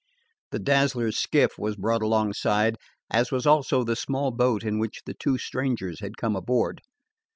The Dazzler's skiff was brought alongside, as was also the small boat in which the two strangers had come aboard.